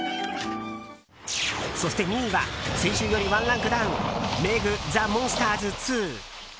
そして２位は先週よりワンランクダウン「ＭＥＧザ・モンスターズ２」。